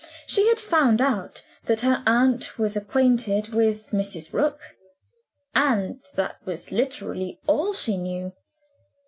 She had found out that her aunt was acquainted with Mrs. Rook, and that was literally all she knew.